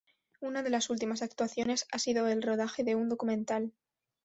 Una de las últimas actuaciones ha sido el rodaje de un documental